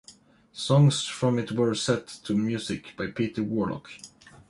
Songs from it were set to music by Peter Warlock.